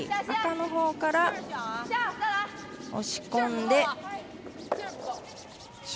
赤のほうから押し込んで。